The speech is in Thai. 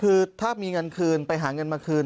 คือถ้ามีเงินคืนไปหาเงินมาคืน